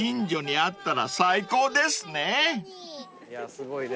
すごいね。